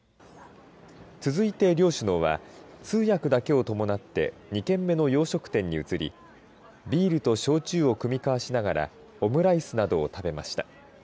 続いて両首脳は通訳だけを伴って２軒目の洋食店に移りビールと焼酎を酌み交わしながらオムライスなどを食べました。